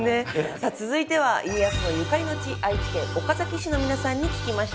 さあ続いては家康のゆかりの地愛知県岡崎市の皆さんに聞きました。